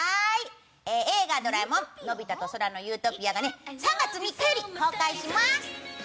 「映画ドラえもんのび太と空の理想郷」が３月３日より公開します。